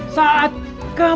saat kamu mendatang